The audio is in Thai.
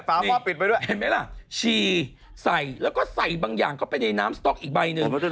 นี่ก็ปิดไปด้วยเห็นไหมล่ะชีใส่แล้วก็ใส่บางอย่างเข้าไปในน้ำสต๊อกอีกใบหนึ่ง